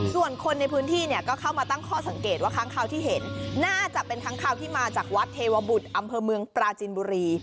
ส่วนคนในพื้นที่เนี่ยก็เข้ามาตั้งข้อสังเกตว่าค้างคราวที่เห็นน่าจะเป็นครั้งคราวที่มาจากวัดเทวบุตรอำเภอเมืองปราจินบุรี